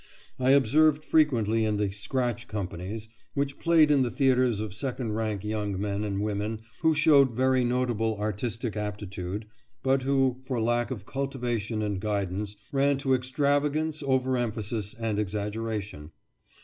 I observed frequently in the "scratch" companies, which played in the theatres of second rank young men and women who showed very notable artistic aptitude, but who, for lack of cultivation and guidance, ran to extravagance, overemphasis, and exaggeration.